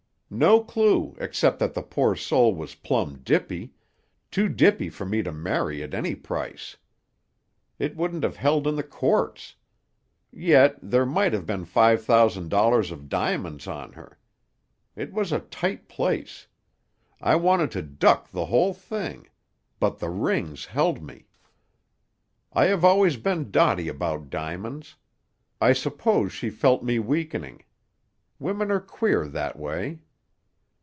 No clue, except that the poor soul was plumb dippy—too dippy for me to marry at any price. It wouldn't have held in the courts. Yet, there might have been five thousand dollars of diamonds on her. It was a tight place. I wanted to duck the whole thing; but the rings held me. I have always been dotty about diamonds. I suppose she felt me weakening. Women are queer, that way.